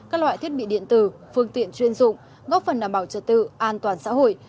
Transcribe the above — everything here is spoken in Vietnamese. các loại thiết bị điện tử phương tiện chuyên dụng góp phần đảm bảo trật tự an toàn xã hội